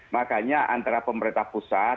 makanya antara pemerintah pusat